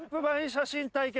写真対決